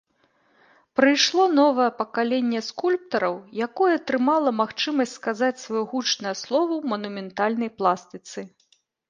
Прыйшло новае пакаленне скульптараў, якое атрымала магчымасць сказаць сваё гучнае слова ў манументальнай пластыцы.